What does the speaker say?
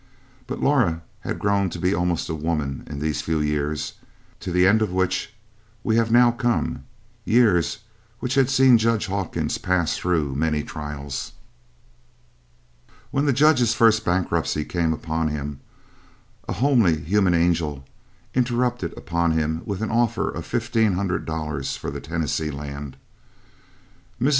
But Laura had grown to be almost a woman in these few years, to the end of which we have now come years which had seen Judge Hawkins pass through so many trials. When the judge's first bankruptcy came upon him, a homely human angel intruded upon him with an offer of $1,500 for the Tennessee Land. Mrs.